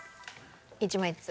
１枚ずつ。